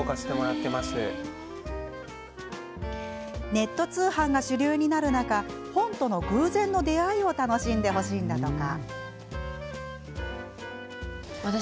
ネット通販が主流になる中本との偶然の出会いを楽しんでほしいんだとか。